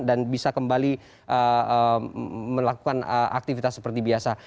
dan bisa kembali melakukan aktivitas seperti biasa